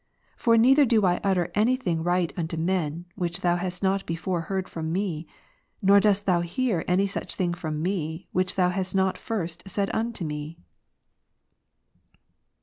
For neither do I utter any thing right unto men, which Thou hast not before heard from me ; nor dost Thou hear any such thing from me, which Thou hast not first said unto me.